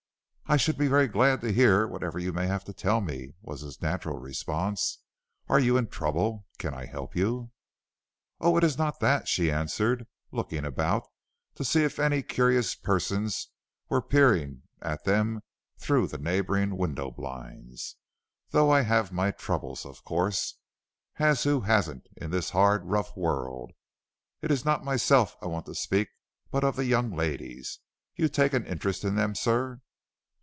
"I should be very glad to hear whatever you may have to tell me," was his natural response. "Are you in trouble? Can I help you?" "Oh, it is not that," she answered, looking about to see if any curious persons were peering at them through the neighboring window blinds, "though I have my troubles, of course, as who hasn't in this hard, rough world; it is not of myself I want to speak, but of the young ladies. You take an interest in them, sir?"